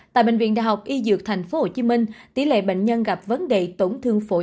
tại bệnh viện đh y dược tp hcm tỷ lệ bệnh nhân gặp vấn đề tổn thương phổi